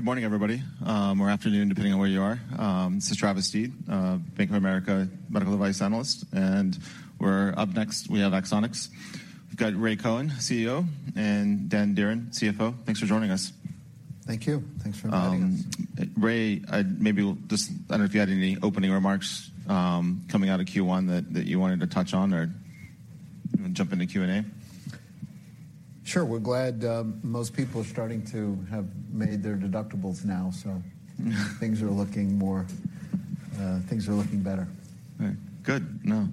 Good morning, everybody, or afternoon, depending on where you are. This is Travis Steed, Bank of America Medical Device Analyst. We're up next, we have Axonics. We've got Ray Cohen, CEO, and Dan Dearen, CFO. Thanks for joining us. Thank you. Thanks for inviting us. Ray, I don't know if you had any opening remarks, coming out of Q1 that you wanted to touch on, or you wanna jump into Q&A? Sure. We're glad, most people are starting to have made their deductibles now, things are looking more, things are looking better. All right. Good. No.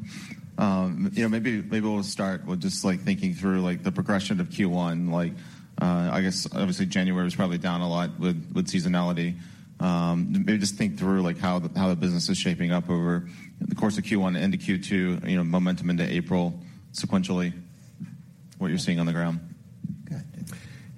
you know, maybe we'll start with just, like, thinking through, like, the progression of Q1. Like, I guess, obviously, January was probably down a lot with seasonality. maybe just think through, like, how the business is shaping up over the course of Q1 into Q2, you know, momentum into April sequentially, what you're seeing on the ground.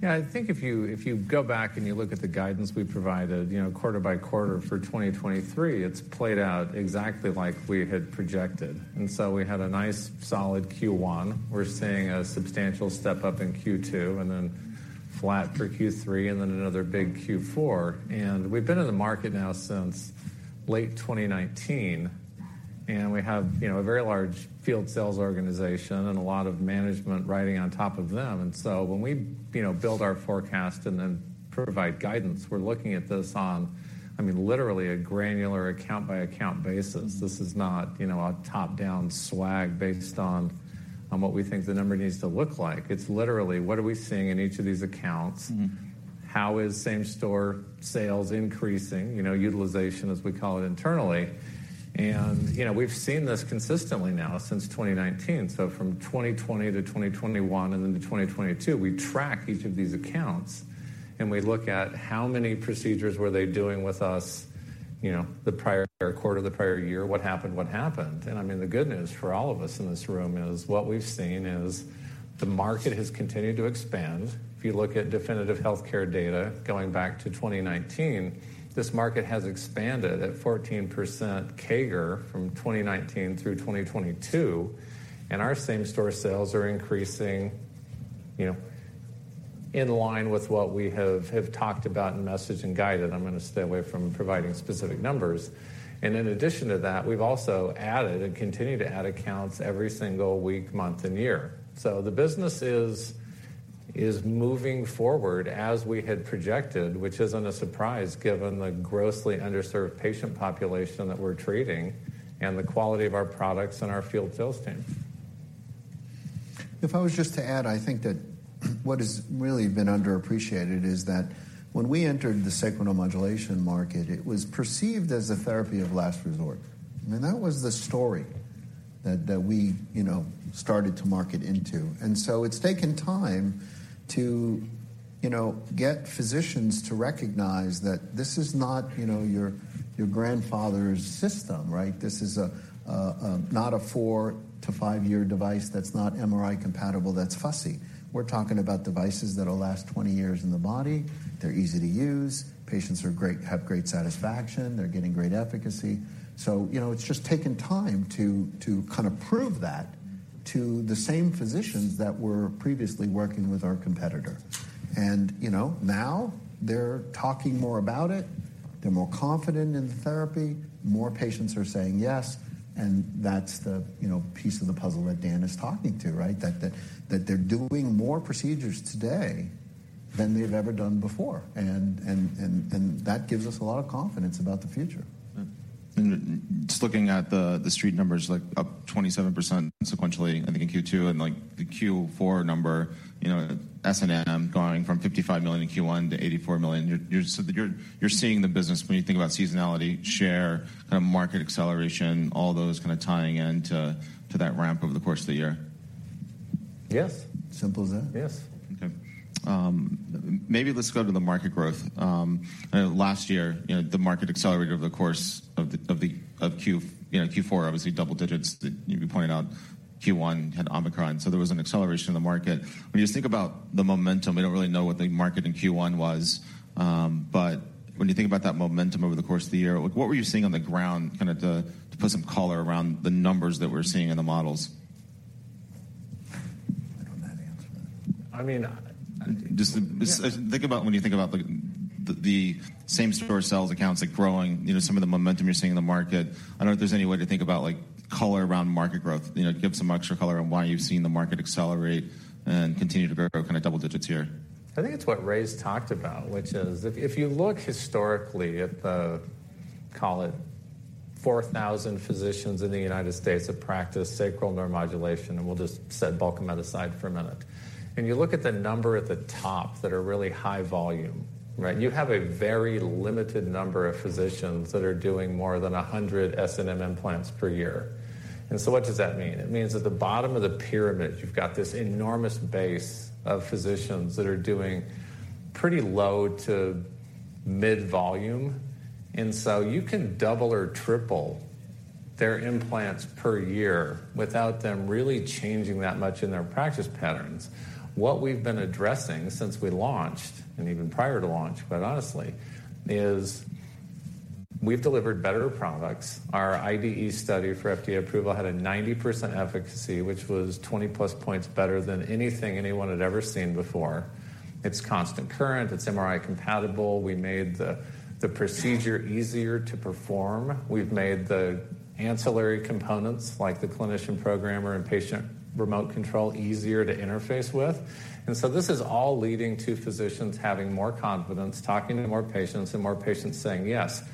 Go ahead, Dan. Yeah, I think if you, if you go back and you look at the guidance we provided, you know, quarter by quarter for 2023, it's played out exactly like we had projected. We had a nice solid Q1. We're seeing a substantial step up in Q2, and then flat for Q3, and then another big Q4. We've been in the market now since late 2019, and we have, you know, a very large field sales organization and a lot of management riding on top of them. When we, you know, build our forecast and then provide guidance, we're looking at this on, I mean, literally a granular account-by-account basis. This is not, you know, a top-down swag based on what we think the number needs to look like. It's literally, what are we seeing in each of these accounts? Mm-hmm. How is same-store sales increasing? You know, utilization, as we call it internally. You know, we've seen this consistently now since 2019. From 2020 to 2021 and into 2022, we track each of these accounts, and we look at how many procedures were they doing with us, you know, the prior quarter, the prior year. What happened? What happened? I mean, the good news for all of us in this room is what we've seen is the market has continued to expand. If you look at Definitive Healthcare data going back to 2019, this market has expanded at 14% CAGR from 2019 through 2022, and our same-store sales are increasing, you know, in line with what we have talked about and messaged and guided. I'm gonna stay away from providing specific numbers. In addition to that, we've also added and continue to add accounts every single week, month and year. The business is moving forward as we had projected, which isn't a surprise given the grossly underserved patient population that we're treating and the quality of our products and our field sales team. If I was just to add, I think that what has really been underappreciated is that when we entered the sacral neuromodulation market, it was perceived as a therapy of last resort. I mean, that was the story that we, you know, started to market into. It's taken time to, you know, get physicians to recognize that this is not, you know, your grandfather's system, right? This is a, not a four to five-year device that's not MRI compatible, that's fussy. We're talking about devices that'll last 20 years in the body. They're easy to use. Patients have great satisfaction. They're getting great efficacy. You know, it's just taken time to kind of prove that to the same physicians that were previously working with our competitor. You know, now they're talking more about it. They're more confident in the therapy. More patients are saying yes, and that's the, you know, piece of the puzzle that Dan is talking to, right? That they're doing more procedures today than they've ever done before. That gives us a lot of confidence about the future. Just looking at the street numbers, like up 27% sequentially, I think in Q2, and like the Q4 number, you know, S&M going from $55 million in Q1 to $84 million. You're seeing the business when you think about seasonality, share, kind of market acceleration, all those kind of tying in to that ramp over the course of the year. Yes. Simple as that. Yes. Maybe let's go to the market growth. I know last year, you know, the market accelerated over the course of Q4, obviously double digits. You pointed out Q1 had Omicron, there was an acceleration in the market. When you just think about the momentum, we don't really know what the market in Q1 was. When you think about that momentum over the course of the year, like, what were you seeing on the ground kind of to put some color around the numbers that we're seeing in the models? Why don't let Dan answer that? I mean- Just think about when you think about like the same-store sales accounts, like growing, you know, some of the momentum you're seeing in the market. I don't know if there's any way to think about, like, color around market growth. You know, give some extra color on why you've seen the market accelerate and continue to grow kind of double digits here. I think it's what Ray's talked about, which is if you look historically at the, call it 4,000 physicians in the United States that practice sacral neuromodulation, we'll just set Bulkamid aside for a minute. When you look at the number at the top that are really high volume, right? You have a very limited number of physicians that are doing more than 100 SNM implants per year. What does that mean? It means at the bottom of the pyramid, you've got this enormous base of physicians that are doing pretty low to mid volume. You can double or triple their implants per year without them really changing that much in their practice patterns. What we've been addressing since we launched, and even prior to launch quite honestly, is. We've delivered better products. Our IDE study for FDA approval had a 90% efficacy, which was 20+ points better than anything anyone had ever seen before. It's constant current. It's MRI compatible. We made the procedure easier to perform. We've made the ancillary components like the Clinician Programmer and Patient Remote Control easier to interface with. This is all leading to physicians having more confidence, talking to more patients, and more patients saying yes.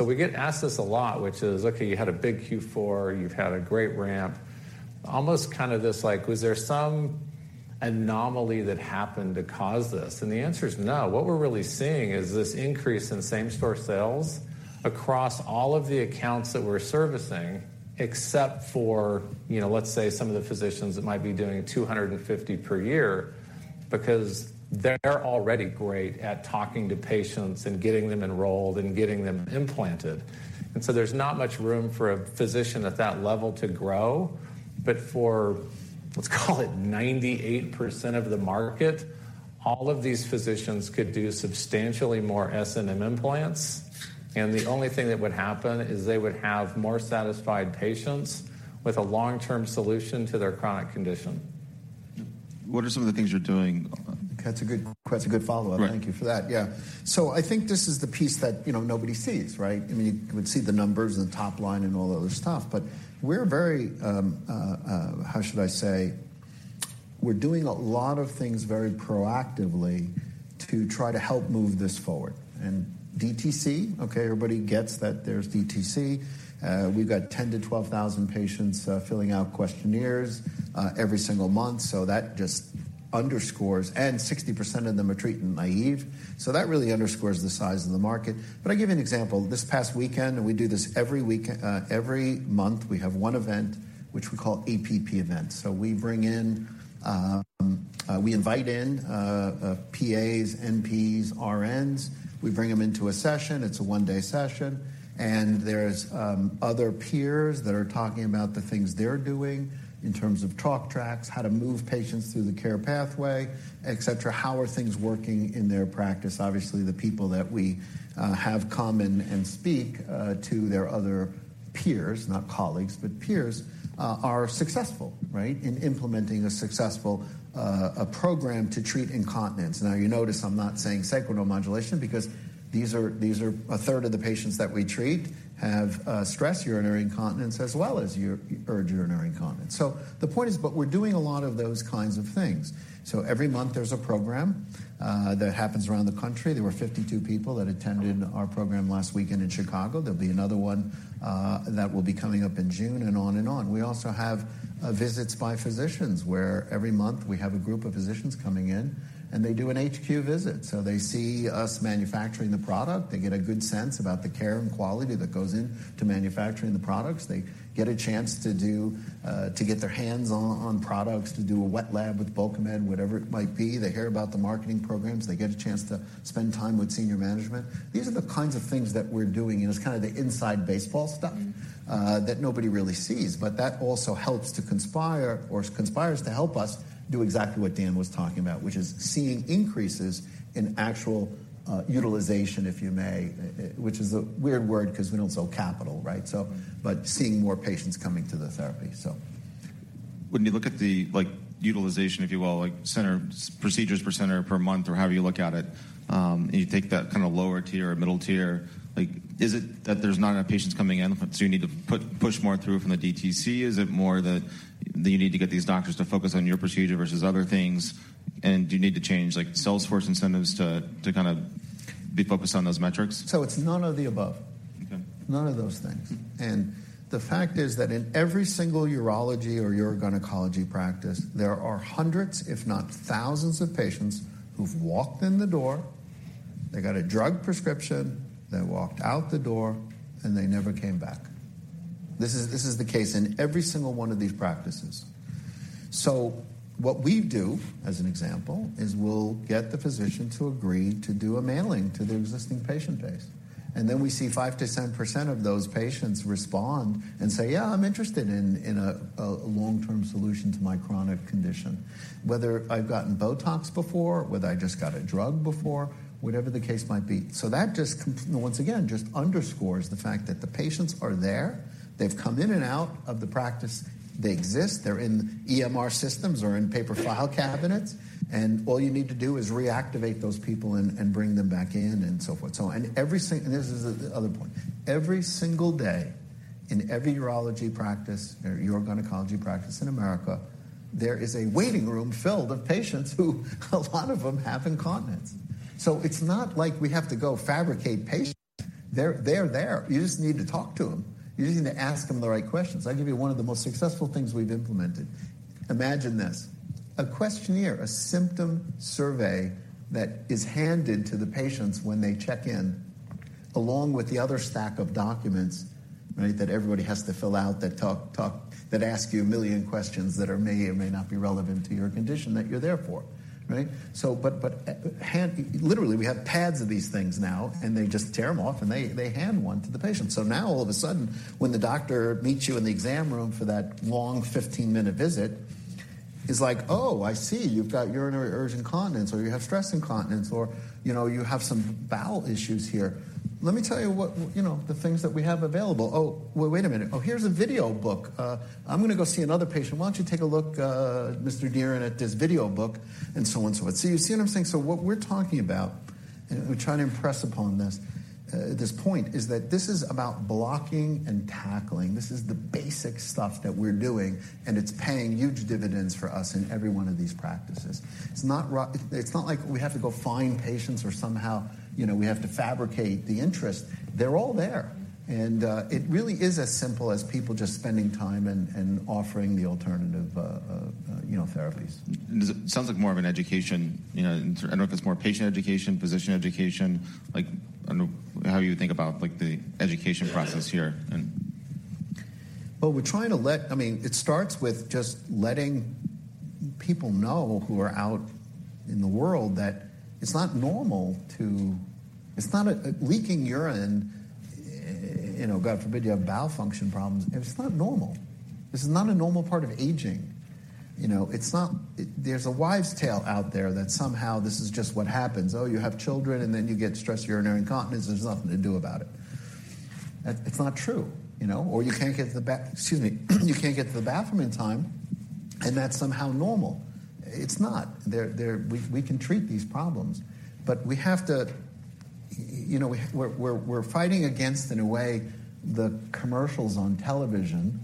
We get asked this a lot, which is, "Okay, you had a big Q4, you've had a great ramp." Almost kind of this like, was there some anomaly that happened to cause this? The answer is no. What we're really seeing is this increase in same-store sales across all of the accounts that we're servicing, except for, you know, let's say some of the physicians that might be doing 250 per year because they're already great at talking to patients and getting them enrolled and getting them implanted. There's not much room for a physician at that level to grow. For, let's call it 98% of the market, all of these physicians could do substantially more SNM implants, and the only thing that would happen is they would have more satisfied patients with a long-term solution to their chronic condition. What are some of the things you're doing on- That's a good follow-up. Right. Thank you for that. Yeah. I think this is the piece that, you know, nobody sees, right? I mean, you would see the numbers and the top line and all the other stuff, but we're very, how should I say? We're doing a lot of things very proactively to try to help move this forward. DTC, okay, everybody gets that there's DTC. We've got 10,000-12,000 patients filling out questionnaires every single month, so that just underscores. 60% of them are treatment-naive. That really underscores the size of the market. I'll give you an example. This past weekend, we do this every month, we have one event which we call APP events. We bring in, we invite in PAs, NPs, RNs. We bring them into a session. It's a one-day session. There's other peers that are talking about the things they're doing in terms of talk tracks, how to move patients through the care pathway, et cetera. How are things working in their practice? Obviously, the people that we have come and speak to their other peers, not colleagues, but peers, are successful, right? In implementing a successful program to treat incontinence. Now, you notice I'm not saying sacral neuromodulation because these are 1/3 of the patients that we treat have stress urinary incontinence as well as urge urinary incontinence. The point is, but we're doing a lot of those kinds of things. Every month there's a program that happens around the country. There were 52 people that attended our program last weekend in Chicago. There'll be another one that will be coming up in June and on and on. We also have visits by physicians, where every month we have a group of physicians coming in, and they do an HQ visit. They see us manufacturing the product. They get a good sense about the care and quality that goes in to manufacturing the products. They get a chance to do to get their hands on products, to do a wet lab with Bulkamid, whatever it might be. They hear about the marketing programs. They get a chance to spend time with senior management. These are the kinds of things that we're doing, and it's kind of the inside baseball stuff that nobody really sees. That also helps to conspire or conspires to help us do exactly what Dan was talking about, which is seeing increases in actual utilization, if you may, which is a weird word 'cause we don't sell capital, right? Seeing more patients coming to the therapy, so. When you look at the, like, utilization, if you will, like, procedures per center per month or however you look at it, and you take that kinda lower tier or middle tier, like, is it that there's not enough patients coming in, so you need to push more through from the DTC? Is it more that you need to get these doctors to focus on your procedure versus other things? Do you need to change, like, Salesforce incentives to kinda be focused on those metrics? It's none of the above. Okay. None of those things. The fact is that in every single urology or urogynecology practice, there are hundreds, if not thousands of patients who've walked in the door, they got a drug prescription, they walked out the door, and they never came back. This is the case in every single one of these practices. What we do, as an example, is we'll get the physician to agree to do a mailing to the existing patient base. Then we see 5%-10% of those patients respond and say, "Yeah, I'm interested in a long-term solution to my chronic condition, whether I've gotten Botox before, whether I just got a drug before," whatever the case might be. That just once again, just underscores the fact that the patients are there. They've come in and out of the practice. They exist. They're in EMR systems or in paper file cabinets, all you need to do is reactivate those people and bring them back in and so forth and so on. This is the other point. Every single day in every urology practice or urogynecology practice in America, there is a waiting room filled of patients who a lot of them have incontinence. It's not like we have to go fabricate patients. They're there. You just need to talk to them. You just need to ask them the right questions. I'll give you one of the most successful things we've implemented. Imagine this, a questionnaire, a symptom survey that is handed to the patients when they check in, along with the other stack of documents, right, that everybody has to fill out that ask you a million questions that are may or may not be relevant to your condition that you're there for, right? Literally, we have pads of these things now, and they just tear them off, and they hand one to the patient. Now all of a sudden, when the doctor meets you in the exam room for that long 15-minute visit. It's like, "Oh, I see. You've got urinary urge incontinence, or you have stress incontinence, or, you know, you have some bowel issues here. Let me tell you know, the things that we have available. Oh, wait a minute. Oh, here's a video book. I'm gonna go see another patient. Why don't you take a look, Mr. Dearen, at this video book?" on and so forth. You see what I'm saying? What we're talking about, and we're trying to impress upon this point, is that this is about blocking and tackling. This is the basic stuff that we're doing, and it's paying huge dividends for us in every one of these practices. It's not like we have to go find patients or somehow, you know, we have to fabricate the interest. They're all there. It really is as simple as people just spending time and offering the alternative, you know, therapies. It sounds like more of an education, you know, I don't know if it's more patient education, physician education. Like, I don't know how you think about, like, the education process here and... Well, I mean, it starts with just letting people know who are out in the world that it's not normal to. Leaking urine, you know, God forbid, you have bowel function problems, it's not normal. This is not a normal part of aging. You know? There's a wives' tale out there that somehow this is just what happens. Oh, you have children, and then you get stress urinary incontinence. There's nothing to do about it. It's not true, you know. Excuse me. You can't get to the bathroom in time, and that's somehow normal. It's not. There, we can treat these problems. we have to, you know, we're fighting against, in a way, the commercials on television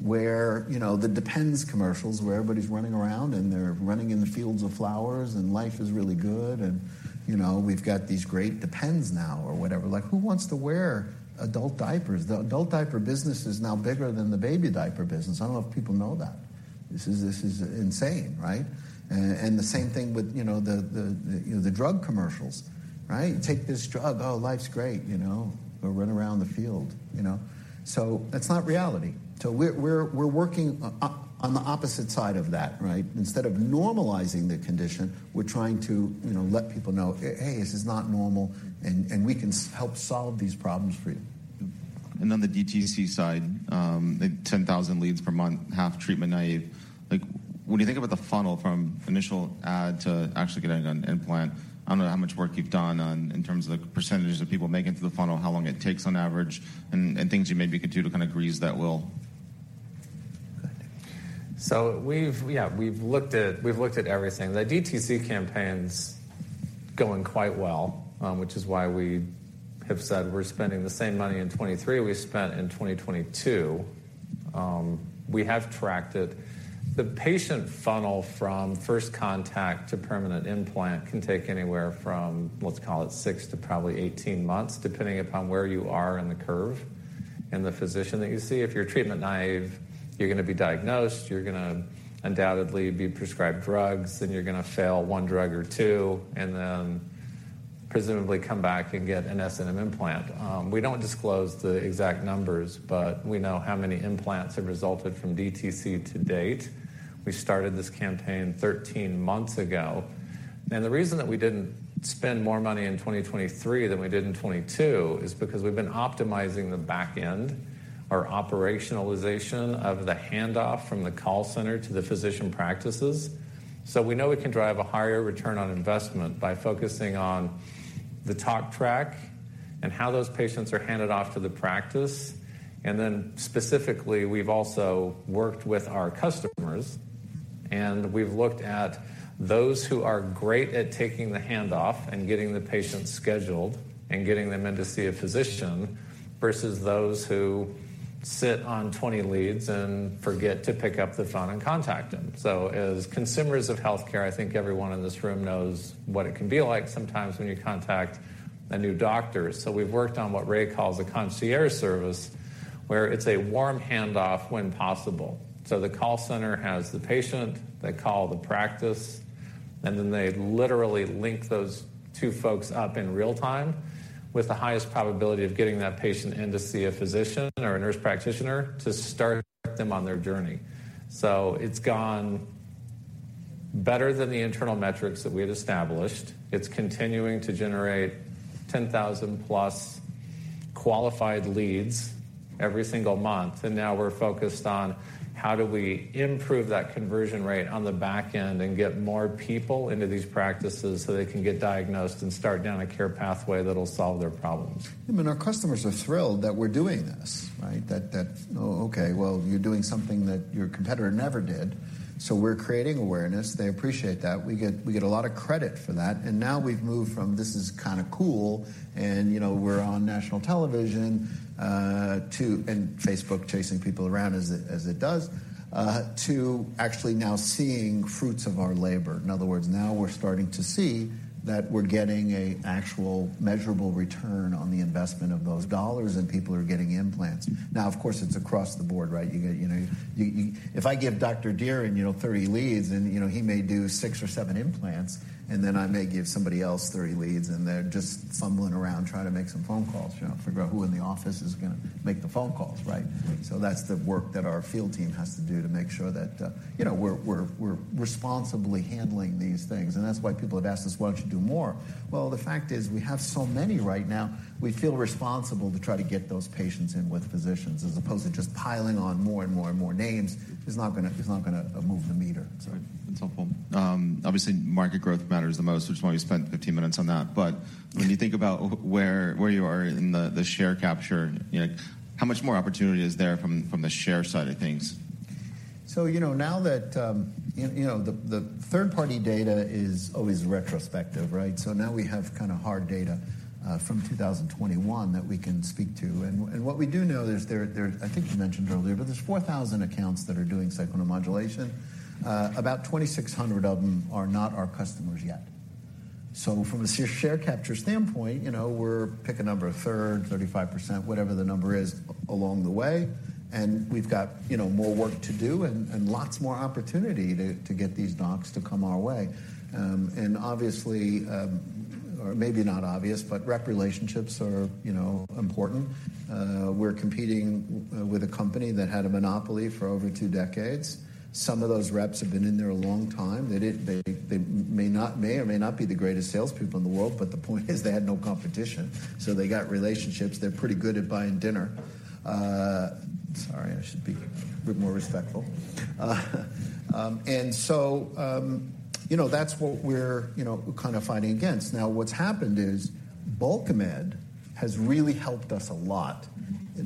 where, you know, the Depend commercials, where everybody's running around and they're running in the fields of flowers, and life is really good and, you know, we've got these great Depend now or whatever. Like, who wants to wear adult diapers? The adult diaper business is now bigger than the baby diaper business. I don't know if people know that. This is insane, right? the same thing with, you know, the, you know, the drug commercials, right? Take this drug. Oh, life's great, you know. Go run around the field, you know. That's not reality. We're working on the opposite side of that, right? Instead of normalizing the condition, we're trying to, you know, let people know, "Hey, this is not normal, and we can help solve these problems for you. On the DTC side, the 10,000 leads per month, half treatment naive, like, when you think about the funnel from initial ad to actually getting an implant, I don't know how much work you've done on in terms of the percentages of people making it through the funnel, how long it takes on average, and things you maybe could do to kind of grease that wheel? Yeah, we've looked at everything. The DTC campaign's going quite well, which is why we have said we're spending the same money in 2023 we spent in 2022. We have tracked it. The patient funnel from first contact to permanent implant can take anywhere from, let's call it 6 to probably 18 months, depending upon where you are in the curve and the physician that you see. If you're treatment naive, you're gonna be diagnosed, you're gonna undoubtedly be prescribed drugs, then you're gonna fail one drug or two, and then presumably come back and get an SNM implant. We don't disclose the exact numbers, but we know how many implants have resulted from DTC to date. We started this campaign 13 months ago. The reason that we didn't spend more money in 2023 than we did in 2022 is because we've been optimizing the back end or operationalization of the handoff from the call center to the physician practices. We know we can drive a higher return on investment by focusing on the talk track and how those patients are handed off to the practice. Specifically, we've also worked with our customers, and we've looked at those who are great at taking the handoff and getting the patient scheduled and getting them in to see a physician versus those who sit on 20 leads and forget to pick up the phone and contact them. As consumers of healthcare, I think everyone in this room knows what it can be like sometimes when you contact a new doctor. We've worked on what Ray calls a concierge service, where it's a warm handoff when possible. The call center has the patient, they call the practice, and then they literally link those two folks up in real time with the highest probability of getting that patient in to see a physician or a nurse practitioner to start them on their journey. It's gone better than the internal metrics that we had established. It's continuing to generate 10,000+ qualified leads every single month. Now we're focused on how do we improve that conversion rate on the back end and get more people into these practices so they can get diagnosed and start down a care pathway that'll solve their problems. I mean, our customers are thrilled that we're doing this, right? That, "Oh, okay, well, you're doing something that your competitor never did." We're creating awareness. They appreciate that. We get a lot of credit for that. Now we've moved from this is kind of cool, and, you know, we're on national television, and Facebook chasing people around as it does, to actually now seeing fruits of our labor. In other words, now we're starting to see that we're getting an actual measurable return on the investment of those dollars, and people are getting implants. Of course, it's across the board, right? You get, you know, you If I give Mr. Dearen, you know, 30 leads, you know, he may do six or seven implants, then I may give somebody else 30 leads, they're just fumbling around trying to make some phone calls, you know, figure out who in the office is going to make the phone calls, right? That's the work that our field team has to do to make sure that, you know, we're responsibly handling these things. That's why people have asked us, "Why don't you do more?" Well, the fact is we have so many right now, we feel responsible to try to get those patients in with physicians as opposed to just piling on more and more and more names. It's not going to move the meter. Sorry. That's helpful. Obviously, market growth matters the most, which is why we spent 15 minutes on that. When you think about where you are in the share capture, you know, how much more opportunity is there from the share side of things? you know, now that the third-party data is always retrospective, right? Now we have kind of hard data from 2021 that we can speak to. What we do know is I think you mentioned earlier, there's 4,000 accounts that are doing sacral neuromodulation. About 2,600 of them are not our customers yet. From a share capture standpoint, you know, we're pick a number, a third, 35%, whatever the number is along the way, and we've got, you know, more work to do and lots more opportunity to get these docs to come our way. Obviously, or maybe not obvious, rep relationships are, you know, important. We're competing with a company that had a monopoly for over two decades. Some of those reps have been in there a long time. They may or may not be the greatest salespeople in the world, but the point is they had no competition, so they got relationships. They're pretty good at buying dinner. Sorry, I should be a bit more respectful. You know, that's what we're, you know, kind of fighting against. Now, what's happened is Bulkamid has really helped us a lot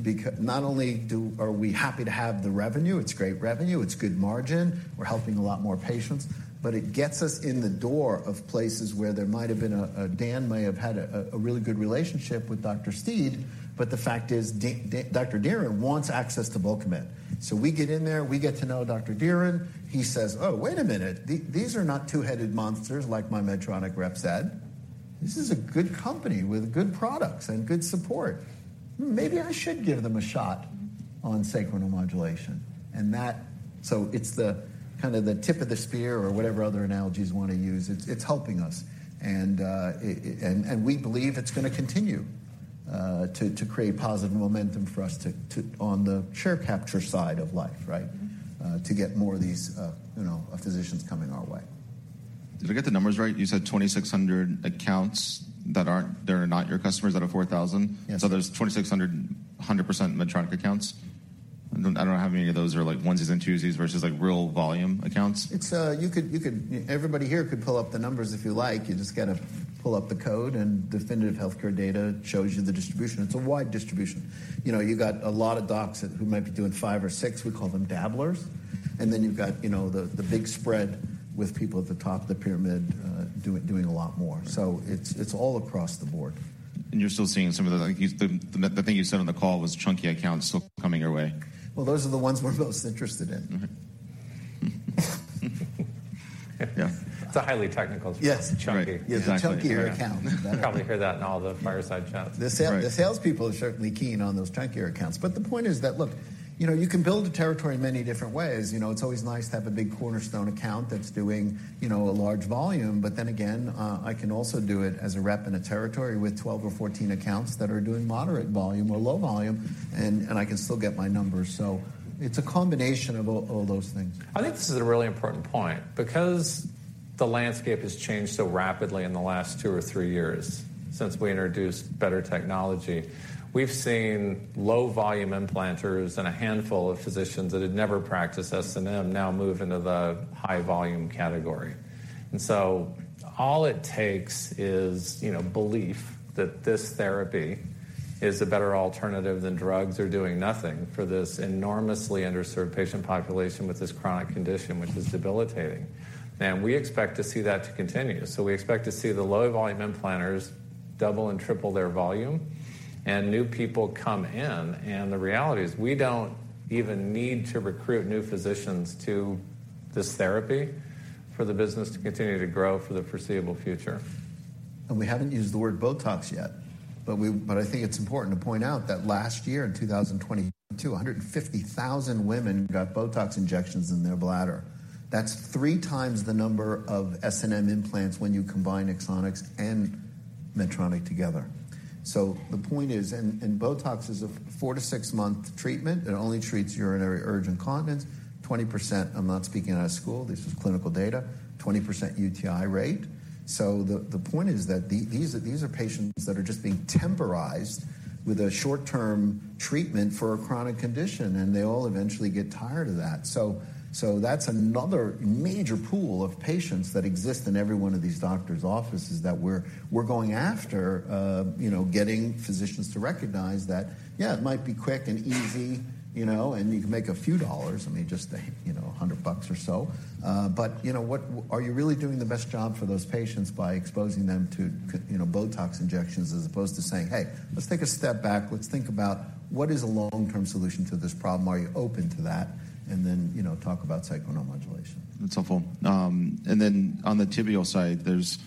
because not only are we happy to have the revenue, it's great revenue, it's good margin, we're helping a lot more patients, but it gets us in the door of places where there might have been a really good relationship with Dr. Steed, but the fact is Mr. Dearen wants access to Bulkamid. We get in there, we get to know Mr. Dearen. He says, "Oh, wait a minute. These are not two-headed monsters like my Medtronic rep said. This is a good company with good products and good support. Hmm, maybe I should give them a shot on sacral neuromodulation." It's the kind of the tip of the spear or whatever other analogies you wanna use. It's helping us. And we believe it's gonna continue to create positive momentum for us to on the share capture side of life, right- Mm-hmm. To get more of these, you know, physicians coming our way. Did I get the numbers right? You said 2,600 accounts that are not your customers out of 4,000. Yes. There's 2,600 100% Medtronic accounts. I don't know how many of those are like onesies and twosies versus like real volume accounts. It's, you could Everybody here could pull up the numbers if you like. You just gotta pull up the code and Definitive Healthcare data shows you the distribution. It's a wide distribution. You know, you got a lot of docs who might be doing five or six, we call them dabblers. Then you've got, you know, the big spread with people at the top of the pyramid, doing a lot more. It's, it's all across the board. The thing you said on the call was chunky accounts still coming your way. Well, those are the ones we're most interested in. Mm-hmm. Yeah. It's a highly technical term. Yes. Chunky. Yeah. Right. Exactly. Yeah. It's a chunkier account. You'll probably hear that in all the fireside chats. The sal- Right. The salespeople are certainly keen on those chunkier accounts. The point is that, look, you know, you can build a territory in many different ways. You know, it's always nice to have a big cornerstone account that's doing, you know, a large volume. Again, I can also do it as a rep in a territory with 12 or 14 accounts that are doing moderate volume or low volume, and I can still get my numbers. It's a combination of all those things. I think this is a really important point, because the landscape has changed so rapidly in the last two or three years since we introduced better technology. We've seen low volume implanters and a handful of physicians that had never practiced SNM now move into the high volume category. All it takes is, you know, belief that this therapy is a better alternative than drugs or doing nothing for this enormously underserved patient population with this chronic condition which is debilitating. We expect to see that to continue. We expect to see the low volume implanters double and triple their volume and new people come in. The reality is, we don't even need to recruit new physicians to this therapy for the business to continue to grow for the foreseeable future. We haven't used the word Botox yet, but I think it's important to point out that last year, in 2022, 150,000 women got Botox injections in their bladder. That's 3x the number of SNM implants when you combine Axonics and Medtronic together. The point is, and Botox is a four- to six-month treatment. It only treats urge urinary incontinence. 20%, I'm not speaking out of school, this is clinical data, 20% UTI rate. The point is that these are patients that are just being temporized with a short-term treatment for a chronic condition, and they all eventually get tired of that. That's another major pool of patients that exist in every one of these doctor's offices that we're going after, you know, getting physicians to recognize that, yeah, it might be quick and easy, you know, and you can make a few dollars, I mean, just, you know, $100 bucks or so. You know, are you really doing the best job for those patients by exposing them to you know, Botox injections as opposed to saying, "Hey, let's take a step back. Let's think about what is a long-term solution to this problem. Are you open to that?" You know, talk about sacral neuromodulation. That's helpful. Then on the tibial side, there's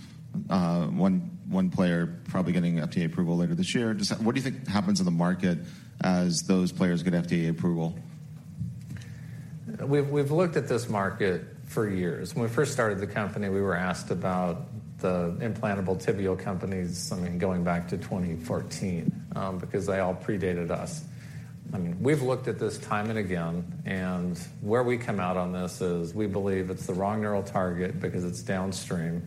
one player probably getting FDA approval later this year. What do you think happens in the market as those players get FDA approval? We've looked at this market for years. When we first started the company, we were asked about the implantable tibial companies, I mean, going back to 2014, because they all predated us. I mean, we've looked at this time and again, and where we come out on this is we believe it's the wrong neural target because it's downstream.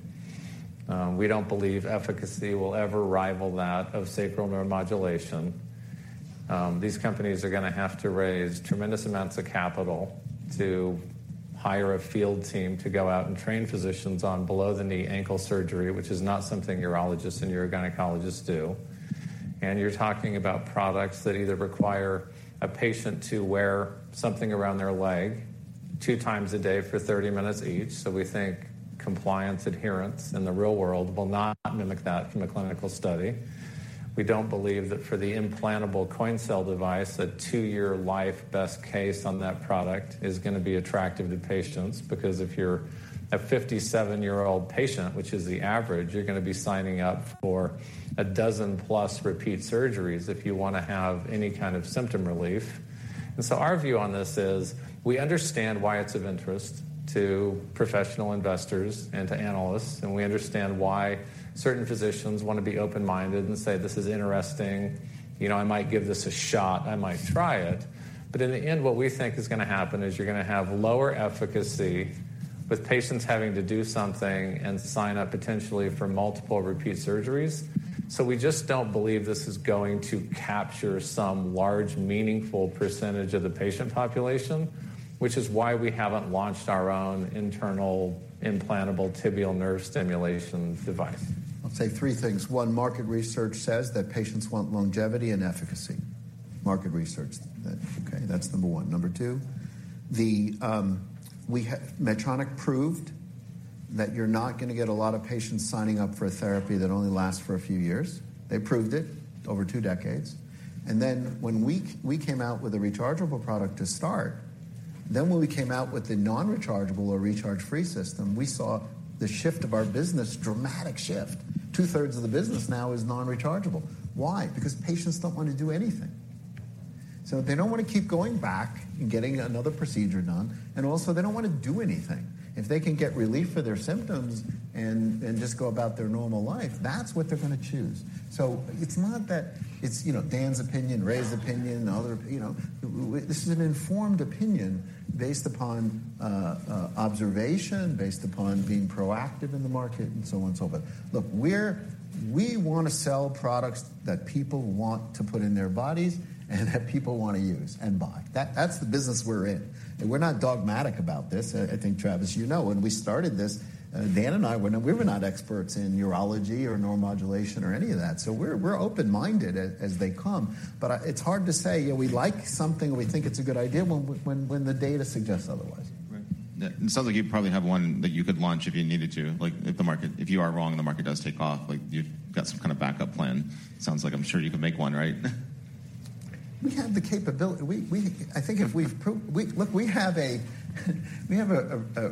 We don't believe efficacy will ever rival that of sacral neuromodulation. These companies are gonna have to raise tremendous amounts of capital to hire a field team to go out and train physicians on below the knee ankle surgery, which is not something urologists and urogynecologists do. You're talking about products that either require a patient to wear something around their leg two times a day for 30 minutes each. We think compliance adherence in the real world will not mimic that from a clinical study. We don't believe that for the implantable coin cell device, a two-year life best case on that product is gonna be attractive to patients, because if you're a 57-year-old patient, which is the average, you're gonna be signing up for a dozen plus repeat surgeries if you wanna have any kind of symptom relief. Our view on this is we understand why it's of interest to professional investors and to analysts, and we understand why certain physicians wanna be open-minded and say, "This is interesting. You know, I might give this a shot. I might try it." In the end, what we think is gonna happen is you're gonna have lower efficacy with patients having to do something and sign up potentially for multiple repeat surgeries. We just don't believe this is going to capture some large, meaningful percentage of the patient population, which is why we haven't launched our own internal implantable tibial nerve stimulation device. I'll say three things. One, market research says that patients want longevity and efficacy. Market research. Okay, that's number one. Number two, Medtronic proved that you're not gonna get a lot of patients signing up for a therapy that only lasts for a few years. They proved it over two decades. Then when we came out with a rechargeable product to start, then when we came out with the non-rechargeable or recharge-free system, we saw the shift of our business, dramatic shift. 2/3 of the business now is non-rechargeable. Why? Because patients don't want to do anything. They don't wanna keep going back and getting another procedure done, and also they don't wanna do anything. If they can get relief for their symptoms and just go about their normal life, that's what they're gonna choose. It's not that it's, you know, Dan's opinion, Ray's opinion, other, you know. This is an informed opinion based upon observation, based upon being proactive in the market, and so on and so forth. Look, we wanna sell products that people want to put in their bodies and that people wanna use and buy. That's the business we're in. We're not dogmatic about this. I think, Travis, you know, when we started this, Dan and I, we were not experts in urology or neuromodulation or any of that. We're, we're open-minded as they come. It's hard to say, you know, we like something or we think it's a good idea when the data suggests otherwise. Right. Yeah. It sounds like you probably have one that you could launch if you needed to. Like, if you are wrong and the market does take off, like, you've got some kind of backup plan. Sounds like I'm sure you could make one, right? We have the capability. Look, we have a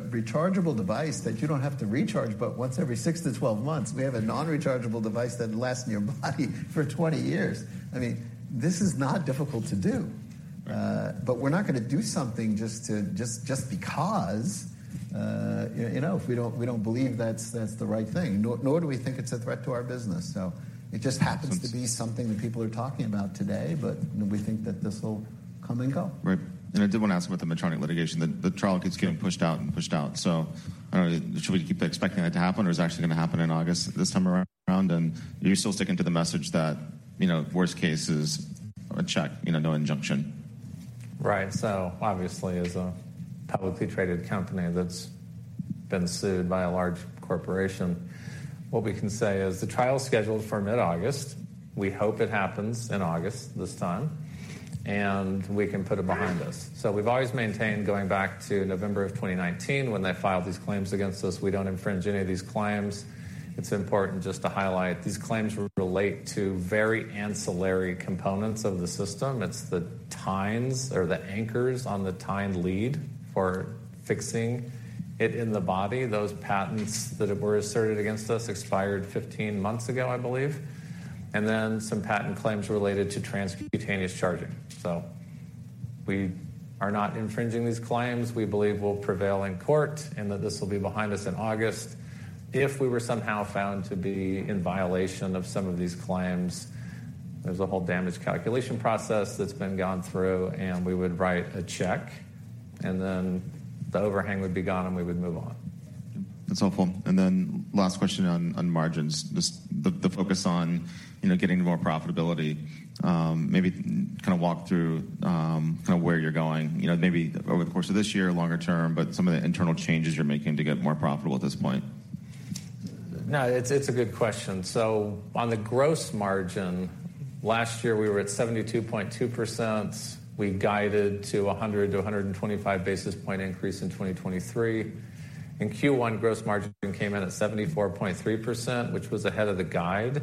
rechargeable device that you don't have to recharge but once every six-12 months. We have a non-rechargeable device that lasts in your body for 20 years. I mean, this is not difficult to do. We're not gonna do something just because, you know, if we don't, we don't believe that's the right thing. Nor do we think it's a threat to our business. It just happens to be something that people are talking about today, but we think that this will come and go. Right. I did want to ask about the Medtronic litigation. The trial keeps getting pushed out and pushed out. I don't know, should we keep expecting that to happen, or is it actually going to happen in August this time around? Are you still sticking to the message that, you know, worst case is a check, you know, no injunction? Right. Obviously, as a publicly traded company that's been sued by a large corporation, what we can say is the trial is scheduled for mid-August. We hope it happens in August this time, and we can put it behind us. We've always maintained, going back to November of 2019 when they filed these claims against us, we don't infringe any of these claims. It's important just to highlight these claims relate to very ancillary components of the system. It's the tines or the anchors on the tined lead for fixing it in the body. Those patents that were asserted against us expired 15 months ago, I believe. Some patent claims related to transcutaneous charging. We are not infringing these claims. We believe we'll prevail in court, and that this will be behind us in August. If we were somehow found to be in violation of some of these claims, there's a whole damage calculation process that's been gone through, and we would write a check, and then the overhang would be gone, and we would move on. That's helpful. Then last question on margins, just the focus on, you know, getting more profitability. Maybe kind of walk through, kind of where you're going, you know, maybe over the course of this year, longer term, but some of the internal changes you're making to get more profitable at this point? No, it's a good question. On the gross margin, last year we were at 72.2%. We guided to a 100-125 basis point increase in 2023. In Q1, gross margin came in at 74.3%, which was ahead of the guide.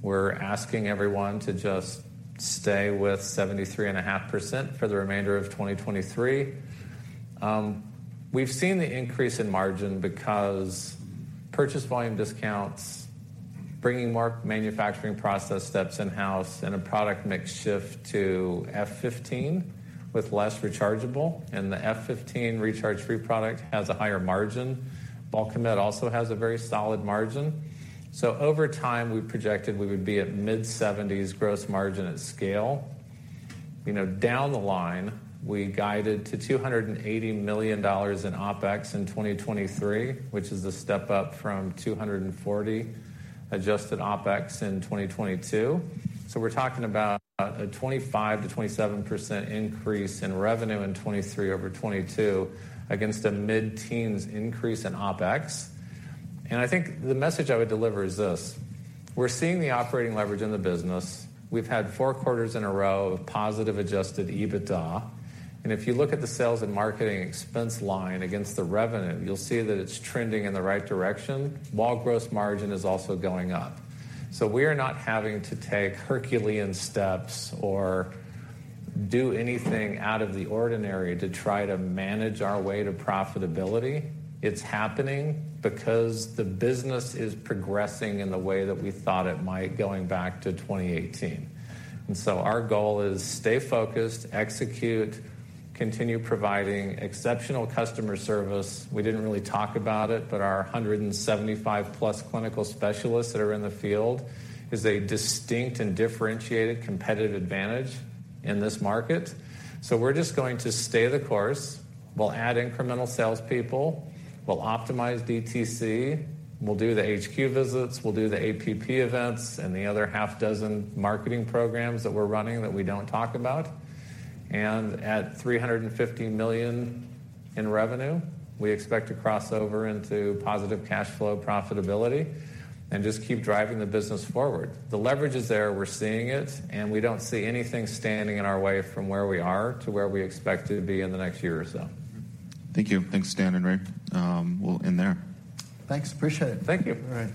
We're asking everyone to just stay with 73.5% for the remainder of 2023. We've seen the increase in margin because purchase volume discounts, bringing more manufacturing process steps in-house, and a product mix shift to F15 with less rechargeable, and the F15 recharge-free product has a higher margin. Bulkamid also has a very solid margin. Over time, we projected we would be at mid-70s gross margin at scale. You know, down the line, we guided to $280 million in OpEx in 2023, which is a step up from $240 adjusted OpEx in 2022. We're talking about a 25%-27% increase in revenue in 2023 over 2022 against a mid-teens increase in OpEx. I think the message I would deliver is this: We're seeing the operating leverage in the business. We've had four quarters in a row of positive adjusted EBITDA. If you look at the sales and marketing expense line against the revenue, you'll see that it's trending in the right direction, while gross margin is also going up. We're not having to take Herculean steps or do anything out of the ordinary to try to manage our way to profitability. It's happening because the business is progressing in the way that we thought it might going back to 2018. Our goal is stay focused, execute, continue providing exceptional customer service. We didn't really talk about it, our 175 plus clinical specialists that are in the field is a distinct and differentiated competitive advantage in this market. We're just going to stay the course. We'll add incremental salespeople. We'll optimize DTC. We'll do the HQ visits. We'll do the APP events and the other half dozen marketing programs that we're running that we don't talk about. At $350 million in revenue, we expect to cross over into positive cash flow profitability and just keep driving the business forward. The leverage is there, we're seeing it. We don't see anything standing in our way from where we are to where we expect to be in the next year or so. Thank you. Thanks, Dan and Ray. We'll end there. Thanks. Appreciate it. Thank you. All right.